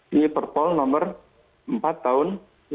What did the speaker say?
di perpol nomor empat tahun dua ribu dua